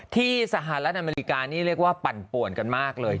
สหรัฐอเมริกานี่เรียกว่าปั่นป่วนกันมากเลย